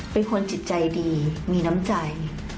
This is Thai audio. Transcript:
เป็นคนจิตใจดีมีน้ำใจ